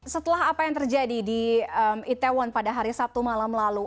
setelah apa yang terjadi di itaewon pada hari sabtu malam lalu